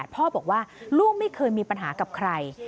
พ่อบอกว่าลูกไม่เคยมีปัญหากับใคร